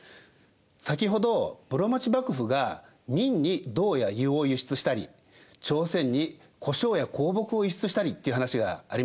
先ほど室町幕府が明に銅や硫黄を輸出したり朝鮮に胡椒や香木を輸出したりっていう話がありましたよね。